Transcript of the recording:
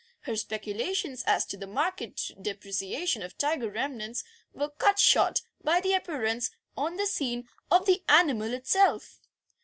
Her speculations as to the market depreciation of tiger remnants were cut short by the appearance on the scene of the animal itself.